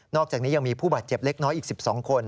อกจากนี้ยังมีผู้บาดเจ็บเล็กน้อยอีก๑๒คน